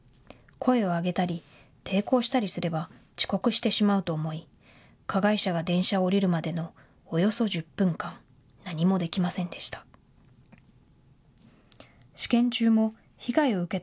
声を上げたり抵抗したりすれば遅刻してしまうと思い加害者が電車を降りるまでのおよそ１０分間、何もできませんでした。